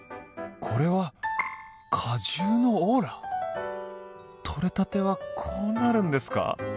これは果汁のオーラ？取れたてはこうなるんですか！